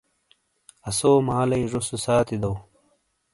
اسو مالئی زو سے ساتی دو